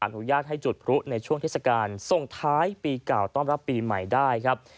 อนุญาตให้จุดพลุในช่วงเทศกาลส่งท้ายปีเก่าต้อนรับปีใหม่ได้ครับ